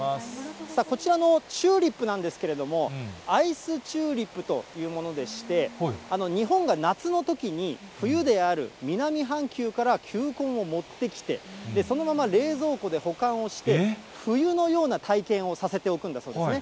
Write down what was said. こちらのチューリップなんですけれども、アイスチューリップというものでして、日本が夏のときに、冬である南半球から球根を持ってきて、そのまま冷蔵庫で保管をして、冬のような体験をさせておくんだそうですね。